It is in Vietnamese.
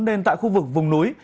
nên tại khu vực vùng núi